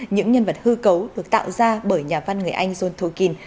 những nhân vật hư cấu được tạo ra bởi nhà văn người anh john tokin